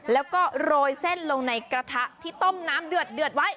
แล้วก็โรยเส้นลงในกระทะที่ต้มน้ำเดือดไว้